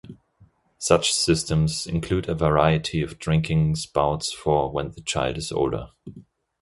Such systems include a variety of drinking spouts for when the child is older.